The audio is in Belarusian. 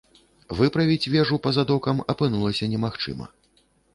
Выправіць вежу па-за докам апынулася немагчыма.